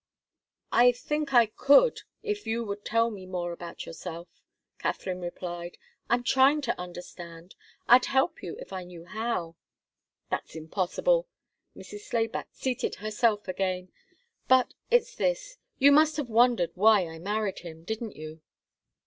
"I think I could, if you would tell me more about yourself," Katharine replied. "I'm trying to understand. I'd help you if I knew how." "That's impossible." Mrs. Slayback seated herself again. "But it's this. You must have wondered why I married him, didn't you?"